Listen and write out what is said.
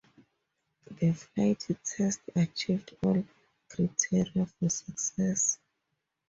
The flight test achieved all criteria for success.